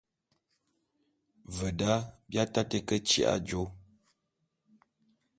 Ve da, bi ataté ke tyi'i ajô.